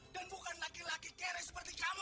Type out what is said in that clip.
dan bukan laki laki kere seperti kamu